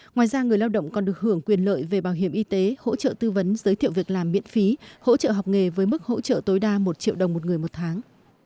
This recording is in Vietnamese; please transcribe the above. ngoài ra người lao động còn được hưởng quyền lợi về bảo hiểm y tế hỗ trợ tư vấn giới thiệu việc làm miễn phí hỗ trợ học nghề với mức hỗ trợ tối đa một triệu đồng một người một tháng